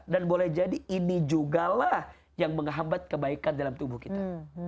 dan boleh jadi ini juga lah yang menghambat kebaikan dalam tubuh kita